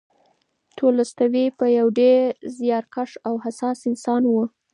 تولستوی یو ډېر زیارکښ او حساس انسان و.